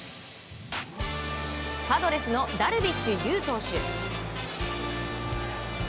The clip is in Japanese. パドレスのダルビッシュ有投手。